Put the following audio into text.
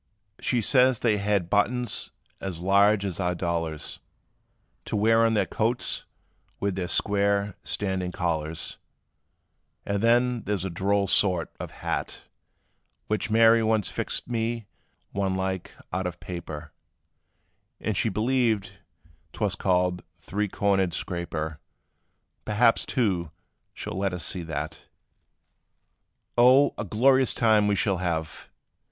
"She says they had buttons as large as our dollars, To wear on their coats with their square, standing collars: And then, there 's a droll sort, of hat, Which Mary once fixed me one like, out of paper, And said she believed 't was called, three cornered scraper; Perhaps, too, she 'll let us see that. "Oh! a glorious time we shall have!